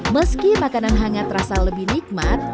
meski makanan hangat rasa lebih nikmat